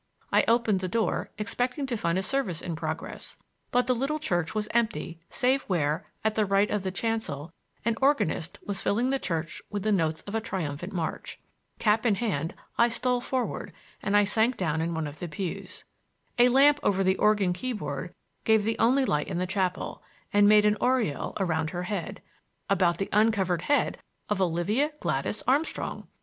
I opened the door, expecting to find a service in progress; but the little church was empty save where, at the right of the chancel, an organist was filling the church with the notes of a triumphant march. Cap in hand I stole forward and sank down in one of the pews. A lamp over the organ keyboard gave the only light in the chapel, and made an aureole about her head,— about the uncovered head of Olivia Gladys Armstrong!